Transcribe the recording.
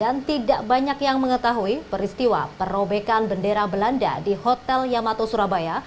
dan tidak banyak yang mengetahui peristiwa perobekan bendera belanda di hotel yamato surabaya